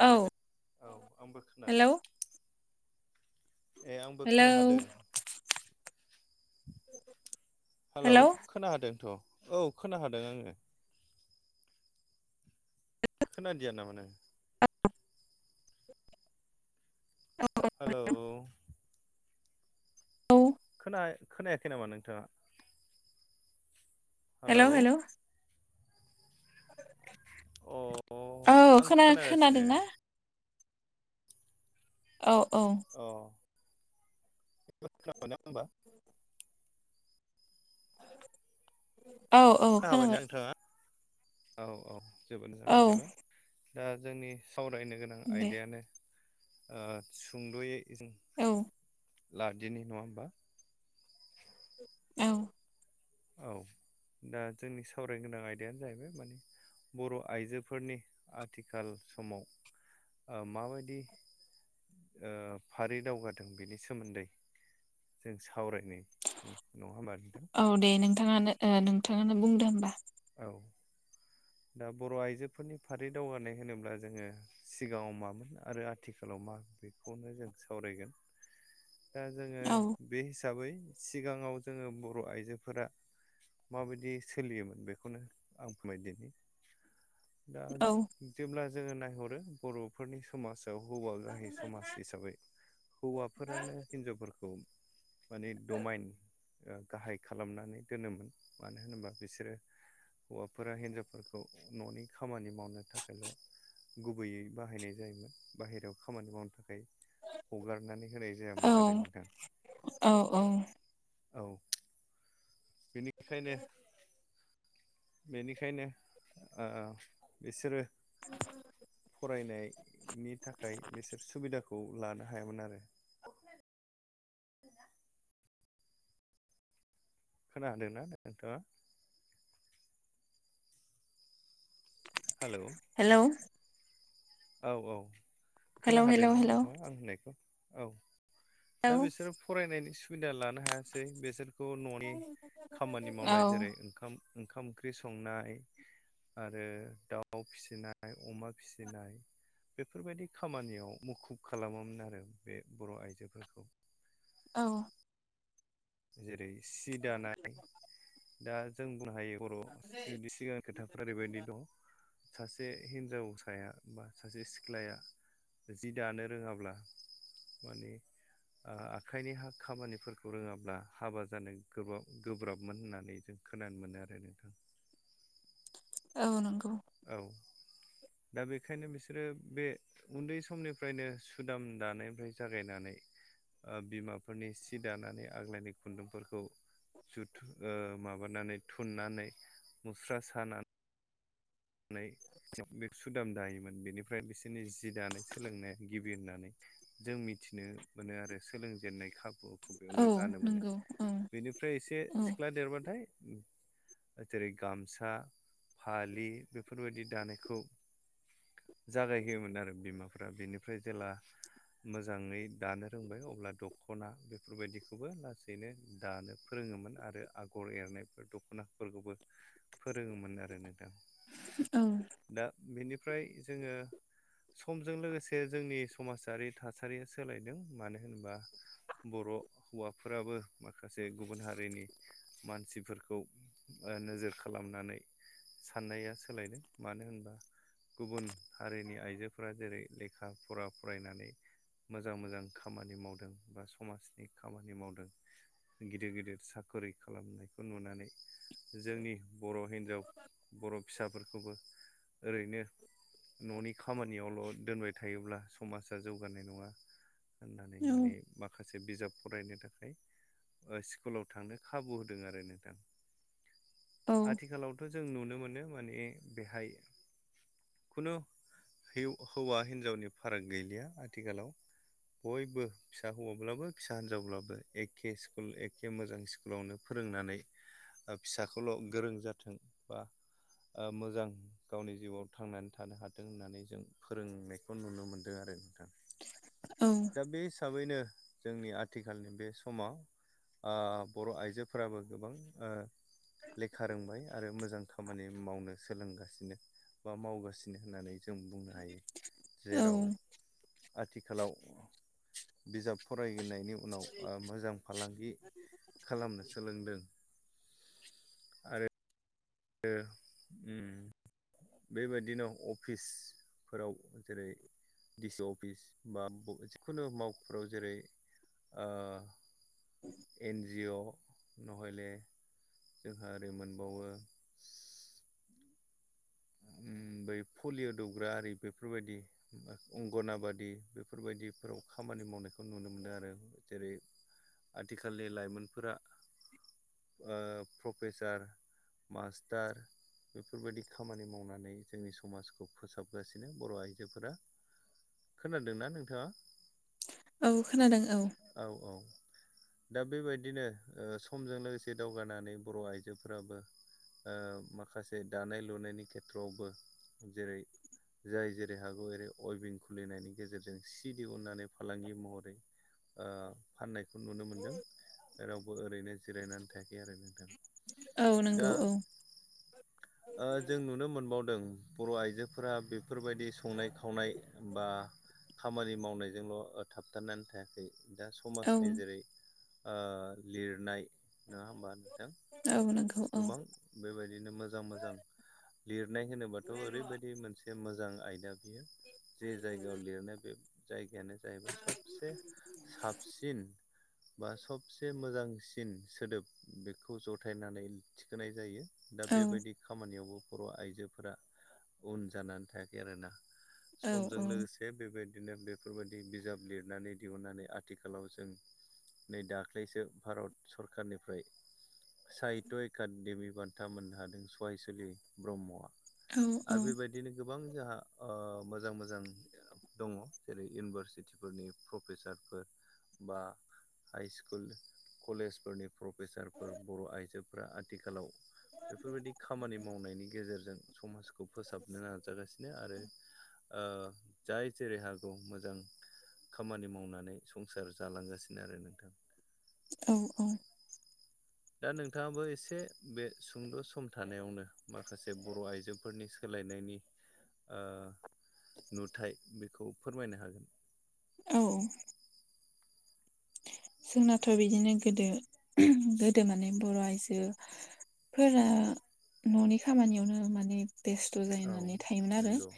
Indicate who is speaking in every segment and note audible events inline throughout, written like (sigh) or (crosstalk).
Speaker 1: औ
Speaker 2: औ आंबो खोनादों।
Speaker 1: हेलौ
Speaker 2: ए आंबो
Speaker 1: हेलौ
Speaker 2: खोनाखादों हेलौ खोनाहादोंथ' औ खोनहादों आङो। खोनादिया ना माने
Speaker 1: औ औ औ
Speaker 2: हेलौ
Speaker 1: औ
Speaker 2: खोना खोनायाखै नामा नोंथाङा?
Speaker 1: हेलौ हेलौ
Speaker 2: अ
Speaker 1: औ
Speaker 2: आं
Speaker 1: खोना
Speaker 2: खोनागासिनो
Speaker 1: खोनादोंना? औ औ
Speaker 2: अ खोनाबाय ना होनबा?
Speaker 1: औ औ
Speaker 2: खाहाबायना
Speaker 1: खोनाबाय
Speaker 2: नोंथाङा औ औ जोबोद मोजां
Speaker 1: औ
Speaker 2: बिदिबा दा जोंनि सावरायनो गोनां
Speaker 1: दे
Speaker 2: आयदायानो सुंद'यै जों
Speaker 1: औ
Speaker 2: लादिनाय नङा होमबा?
Speaker 1: औ
Speaker 2: औ दा जोंनि सावरायगोनां आयदायानो जाहैबाय माने बर' आइजोफोरनि आथिखाल समाव माबायदि फारि दावगादों बेनि सोमोन्दै जों सावरायनाय जों नङा होमबा नोंथां
Speaker 1: औ दे नोंथाङानो नोंथाङानो बुंदो होमबा।
Speaker 2: औ ओ बर' आइजोफोरनि फारि दावगानाय होनोब्ला जोङो सिगाङाव मामोन आरो आथिखालाव मा बेखौनो जों सावरायगोन। दा जोङो
Speaker 1: औ
Speaker 2: बे हिसाबै सिगाङाव जोङो बर' आइजोफोरा माबायदि सोलियोमोन बेखौनो आं फोरमायदिनि दा
Speaker 1: औ
Speaker 2: जेब्ला जोङो नायहरो बर' बेफोरनि समाजाव हौवा गाहै समाज हिसाबै। हौवाफोरानो हिनजावफोरखौ माने दमाइन गाहाय खालामनानै दोनोमोन मानो होनोबा बिसोरो। हौवाफोरा हिनजावफोरखौ न'नि खामानि मावनो थाखायल'। गुबैयै बाहायनाय जायोमोन बाहेरायाव खामानि मावनो थाखाय हगारनानै होनाय।
Speaker 1: औ
Speaker 2: जायामोन आरो नोंथां
Speaker 1: औ औ।
Speaker 2: औ। बेनिखायनो बेनिखायनो बिसोरो फरायनायनि थाखाय बिसोर सुबिदाखौ लानो हायामोन आरो। खदा खोनादों ना नोंथाङा। हेल'।
Speaker 1: हेलौ।
Speaker 2: औ औ खोन
Speaker 1: हेलौ हेलौ
Speaker 2: हादोंना
Speaker 1: हेलौ
Speaker 2: नोंथाङा आं होननायखौ औ
Speaker 1: औ
Speaker 2: दा बिसोर। फरायनायनि सुबिदा लानो हायासै बेसोरखौ न'नि खामानि
Speaker 1: औ
Speaker 2: मावनाय जेरै ओंखाम। ओंखाम, ओंख्रि संनाय आरो दाउ फिसिनाय अमा फिसिनाय। बेफोरबायदि खामानियाव मुखुब खालामोमोन आरो बे बर' आइजोफोरखौ।
Speaker 1: औ।
Speaker 2: जेरै सि दानाय दा जों बुंनो हायो बर' जुदि सिगांनि खोथाखौ। ओरैबायदि दं सासे हिनजावसाया बा सासे सिख्लाया जि दानो रोङाब्ला माने। आखाइनि हा खामानिफोरखौ रोङाब्ला। हाबा जानो गोबाब गोब्राबमोन होननानै जों खोनानो मोनो आरो नोंथां।
Speaker 1: औ नंगौ
Speaker 2: औ दा बेखायनो बिसोरो बे उन्दै समनिफ्रायनो सुदाम दानायनिफ्राय जागायनानै। बिमाफोरनि सि दानानै आग्लायनि खुन्दुंफोरखौ जुथु माबानानै थुननानै मुस्रा सानानै। बे सुदाम दायोमोन बेनिफ्राय बिसोरनि जि दानाय सोलोंनाया गिबि होननानै। जों मिथिनो मोनो आरो सोलोंजेननाय खाबुखौ
Speaker 1: औ
Speaker 2: बेयावनो लानो मोनो।
Speaker 1: नंगौ औ
Speaker 2: बेनिफ्राय एसे
Speaker 1: औ
Speaker 2: सिख्ला देरबाथाय जेरै गामसा फालि बेफोरबायदि दानायखौ जागायहोयोमोन आरो बिमाफोरा बिनिफ्राय जेला मोजाङै दानो रोंबाय अब्ला दख'ना बेफोरबायदिखौबो लासैनो दानो। फोरोङोमोन आरो आगर एरनायफोर दख'नाफोरखौबो फोरोङोमोन आरो न दा
Speaker 1: औ।
Speaker 2: दा बिनिफ्राय जोङो। समजों लोगोसे जोंनि समाजारि थासारिया सोलायदों मानो होनोबा। बर' हौवाफोराबो माखासे गुबुन हारिनि मानसिफोरखौ नोजोर खालामनानै साननाया स सोलायदों मानो होनबा गुबुन हारिनि आइजोफोरा जेरै लेखा फरा फरायनानै। मोजां मोजां खामानि मावदों बा समाजनि खामानि मावदों गिदिर गिदिर साख्रिि खालामनायखौ नुनानै। जोंनि बर' हिनजाव बर' फिसाफोरखौबो ओरैनो। न'नि खामानियावल' दोनबाय थायोब्ला समाजा जौगानाय नङा। होननानै माने
Speaker 1: औ
Speaker 2: ब माखासे बिजाब फरायनो थाखाय स्कुलाव थांनो खाबु होदों आरो नोंथां। आथिखालावथ' जों नुनो मोनो माने बेहाय खुनु हौवा हिनजावनि फाराग गैलिया आथिखालाव बयबो फिसा हौवाब्लाबो फिसा हिनजावब्लाबो एखे स्कुल एखे मोजां स्कुल स्कुलावनो फोरोंनानै फिसाखौल' गोरों जाथों बा मोजां गावनि जिउआव थांनानै थानो हाथों होननानै जों फोरोंनायखौ नुनो मोन्दों आरो नोंथां
Speaker 1: औ
Speaker 2: दा बे हिसाबैनो जोंनि आथिखालनि बे समाव बर' आइजोफोराबो गोबां लेखा रोंबाय आरो मोजां खामानि मावनो सोलोंगासिनो बा मावगासिनो होननानै जों बुंनो हायो
Speaker 1: औ
Speaker 2: जेराव आथिखालाव बिजाब फरायनायनि उनाव मोजां फालांगि खालामनो सोलोंदों उ बेबायदिनो अफिसफोराव जेरै दिडिसि अफिस बा जिखुनु मावख'फोराव जेरै एन जि अ नहले जोंहा ओरो मोनबावो बै पलिय' दौग्रा आरि बेफोरबायदि अंगनाबादि बेफोरबायदिफोराव खामानि मावनायखौ नुनो मोनो आरो जेरै आथिखालनि लाइमोनफोरा प्रफेसार मास्टार बेफोरबायदि खामानि मावनानै जोंनि समाजखौ फोसाबगासिनो बर' आइजोफोरा खोनादोंना नोंथाङा
Speaker 1: औ खोनादों औ
Speaker 2: औ औ दा बेबायदिनो समजों लोगोसे दावगानानै बर' आइजोफोराबो माखासे दानाय लुनायनि खेथ्रआवबो जेरै जाय जेरै हागौ एरै अयभिं खुलिनायनि गेजेरजों सि दिहुननानै फालांगि महरै फाननायखौ नुनो मोनदों रावबो ओरैनो जिरायनानै थायाखै आरो नोंथां
Speaker 1: औ
Speaker 2: दा
Speaker 1: नंगौ औ
Speaker 2: जों नुनो मोनबावदों बर' आइजोफोरा बे बेफोरबायदि संनाय खावनाय बा खामानि मावनायजोंल' थाबथानानै थायाखै दा
Speaker 1: औ
Speaker 2: समाजनि जेरै लिरनाय नङा होमबा नोंथां
Speaker 1: औ नंगौ
Speaker 2: गोबां बेबायदिनो मोजां मोजां लिरनाय होनोबाथ'
Speaker 1: औ
Speaker 2: ओरैबायदि मोनसे मोजां आयदा बियो जे जायगायाव लिरनाय बे जायगायानो जाहैबाय सबसे साबसिन बा सबसे मोजांसिन सोदोब बेखौ जथायनानै थिखोनाय जायो दा
Speaker 1: औ
Speaker 2: बेबायदि खामानियावबो बर' आइजोफोरा उन जानानै थायाखै आरोना समजों लोगोसे बेबायदिनो बेफोरबायदि बिजाब लिरनानै दिहुननानै आथिखालाव जों नै दाख्लैसो भारत सरखारनिफ्राय साइ एक देमि बान्था मोननो हादों सहायसलि ब्रह्मआ आरो
Speaker 1: औ
Speaker 2: बेबायदि बिदिनो गोबां जोंहा मोजां मोजां दङ जेरै इउनिभारसिटिफोरनि प्रफेसारफोर बा हाइ स्कुल कलेजफोरनि प्रफेसारफोर बर' आइजो फोर आथिखालाव बेफोरबायदि खामानि मावनायनि गेजेरजों समाज खौ फोसाबनो नाजागासिनो आरो जाय जेरै हागौ मोजां खामानि मावनानै संसार जालांगासिनो आरो नोंथां
Speaker 1: औ औ
Speaker 2: दा नोंथाङाबो एसे बे सुंद' सम थानायावनो माखासे बर' आइजोफोरनि सोलायनायनि ओ नुथाय बेखौ फोरमायनो हागोन।
Speaker 1: औ जोंनाथ' बिदिनो गोदो गोदो माने बर' आइजो फोरा न'नि खामानियावनो माने बेस्थ'
Speaker 2: औ
Speaker 1: जाहैनानै थायोमोन आरो
Speaker 2: नंगौ।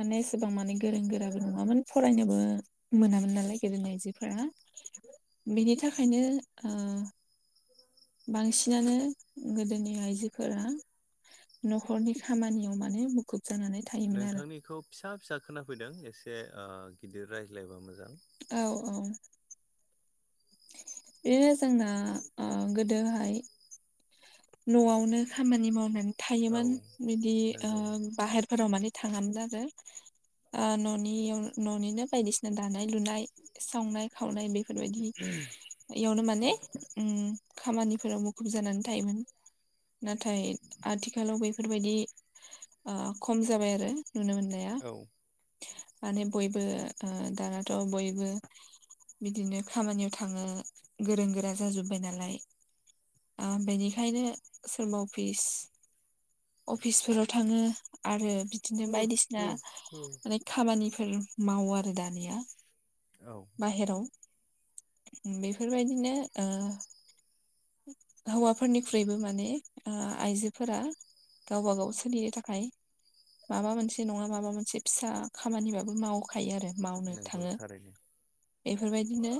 Speaker 1: माने एसेबां माने गोरों गोराबो नङामोन फरायनोबो मोनामोन नालाय गोदो आइजोफोरा बेनि थाखायनो बांसिनानो गोदोनि आइजोफोरा न'खरनि खामानियाव माने मुखुब जानानै थायोमोन आरो
Speaker 2: नोंथांनिखौ फिसा फिसा खोनाफैदों एसे ओ गिदिर रायज्लायबा मोजां
Speaker 1: औ औ बिदिनो जोंना ओ गोदोहाय न'आवनो खामानि मावनानै
Speaker 2: औ
Speaker 1: थायोमोन बिदि
Speaker 2: नंगौ
Speaker 1: बाहेरफोराव माने थाङामोन आरो ओ न'नि न'निनो बायदिसिना दानाय लुनाय सावनाय खावनाय बेफोरबायदि इयुनाव माने खामानिफोराव मुखुब जानानै थायोमोन नाथाय आथिखालाव बेफोरबायदि ओ खम जाबाय आरो नुनो मोननाया
Speaker 2: औ
Speaker 1: माने बयबो ओ दानाथ' बयबो बिदिनो खामानियाव थांङो गोरों गोरा जाजोब्बाय नालाय बेनिखायनो सोरबा अफिस अफिसफोराव थाङो। आरो बिदिनो बायदिसिना माने खामानिफोर मावो आरो दानिया
Speaker 2: औ
Speaker 1: बाहेराव बेफोरबायदिनो ओ हौवाफोरनिख्रुइबो माने ओ आइजोफोरा गावबा गाव सोलिनो थाखाय माबा मोनसे नङा माबा मोनसे फिसा खामानिबाबो मावखायो आरो मावनो
Speaker 2: नंगौ
Speaker 1: थाङो
Speaker 2: थारैनो।
Speaker 1: बेफोरबायदिनो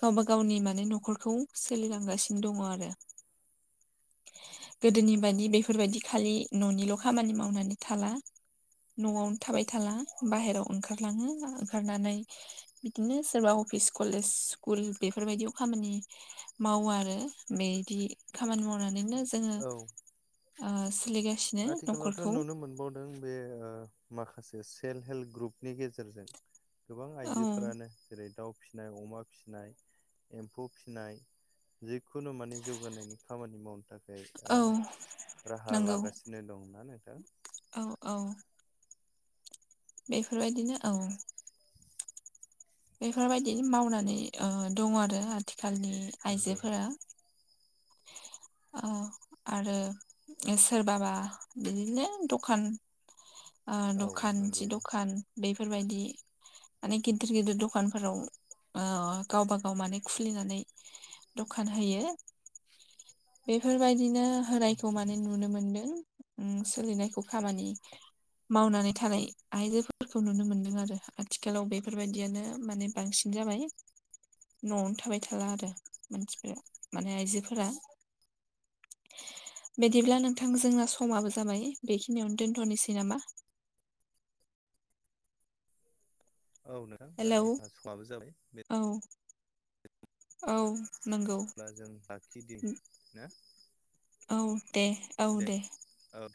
Speaker 1: गावबा गावनि माने न'खरखौ सोलिलांगासिनो दंङो आरो गोदोनि बायदि बेफोरबायदि खालि न'निल' खामानि मावनानै थाला न'आवनो थाबाय थाला बाहेराव ओंखारलाङो ओंखारनानै बिदिनो सोरबा अफिस कलेज स्कुल बेफोरबायदियाव खामानि मावो आरो बे नि खामानि मावनानैनो जोंङो
Speaker 2: औ
Speaker 1: ओ सोलिगा
Speaker 2: आथिखालावथ' नुनो मोनबावदों बे माखासे सेल्फ हेल्प ग्रुपनि गेजेरजों गोबां
Speaker 1: औ
Speaker 2: आइजोफोरानो जेरै दाउ फिसिनाय अमा फिसिनाय एम्फौ फिसिनाय जिखुनु माने जौगानायनि खामानि मावनो थाखाय
Speaker 1: औ
Speaker 2: राहा
Speaker 1: नंगौ
Speaker 2: लागासिनो नाय दंना नोंथां।
Speaker 1: औ औ बेफोरबायदिनो औ बेफोरबायदि मावनानै दंङो आरो आथिखालनि
Speaker 2: नंगौ
Speaker 1: आइजोफोरा
Speaker 2: (inaudible)
Speaker 1: औ आरो सोरबाबा बिदिनो दखान ओ
Speaker 2: औ
Speaker 1: दखान
Speaker 2: नंगौ
Speaker 1: जि दखान बेफोरबायदि माने गिदिर गिदिर दखान दखानफोराव ओ गावबा गाव माने खुलिनानै दखान होयो बेफोरबायदिनो
Speaker 2: औ
Speaker 1: होनायखौ माने नुनो मोनदों सोलिनायखौ खामानि मावनानै थानाय आइजोफोरखौ नुनो मोनदों आरो आथिखालाव बेफोरबायदियानो माने बांसिन जाबाय न'आवनो थाबाय थाला आरो मानसिफोर माने आइजोफोरा बिदिब्ला नोंथां जोंना समाबो जाबाय बेखिनियावनो दोनथ'नोसै नामा
Speaker 2: औ नोंथां दा
Speaker 1: हेलौ
Speaker 2: जाहा समाबो जाबाय दे
Speaker 1: औ औ नंगौ
Speaker 2: अब्ला जों लाखिदि ना
Speaker 1: औ दे
Speaker 2: दे औ